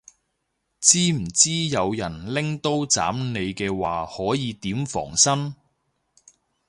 知唔知有人拎刀斬你嘅話可以點防身